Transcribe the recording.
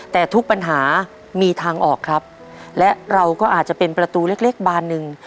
แต่ทุกปัญหามีทางออกครับและเราก็อาจจะเป็นประตูเล็กเล็กบานหนึ่ง